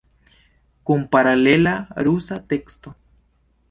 Kun paralela rusa teksto.